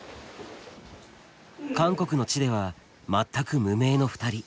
韓国の地では全く無名の２人。